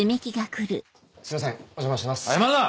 すみませんお邪魔してます。